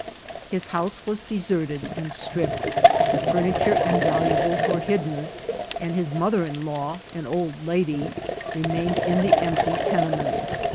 His house was deserted and stripped, the furniture and valuables were hidden, and his mother in law, an old lady, remained in the empty tenement.